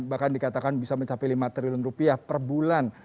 bahkan dikatakan bisa mencapai lima triliun rupiah per bulan